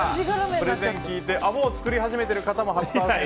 プレゼンを聞いてもう作り始めている方も８％。